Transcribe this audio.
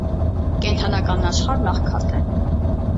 Կենդանական աշխարհն աղքատ է։